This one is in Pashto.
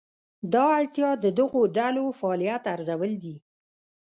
دا اړتیا د دغو ډلو فعالیت ارزول دي.